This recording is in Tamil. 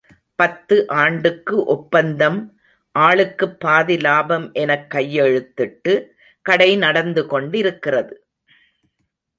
பத்து ஆண்டு ஒப்பந்தம் ஆளுக்குப் பாதி லாபம் எனக் கையெழுத்திட்டு—கடை நடந்து கொண்டிருக்கிறது.